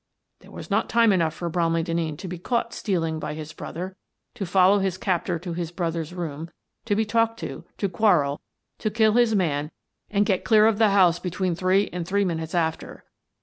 There was not time enough for Bromley Den neen to be caught stealing by his brother, to follow his captor to his brother's room, to be talked to, to quarrel, to kill his man and get clear of the house between three and three minutes after."